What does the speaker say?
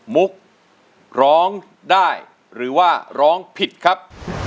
มุกร้องได้หรือว่าร้องผิดครับ